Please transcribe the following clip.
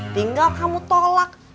tinggal kamu tolak